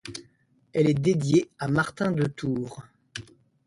Elle est dédiée à Martin de Tours.